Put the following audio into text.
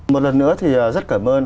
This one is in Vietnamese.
một lần nữa thì rất cảm ơn